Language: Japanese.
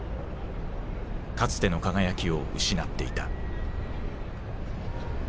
かつての輝きを失っていた。